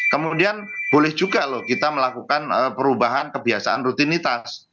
kemudian boleh juga loh kita melakukan perubahan kebiasaan rutinitas